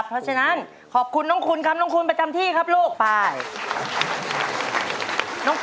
แม้จะเหนื่อยหล่อยเล่มลงไปล้องลอยผ่านไปถึงเธอ